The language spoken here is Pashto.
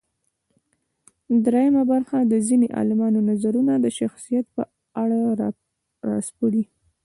درېیمه برخه د ځينې عالمانو نظرونه د شخصیت په اړه راسپړي.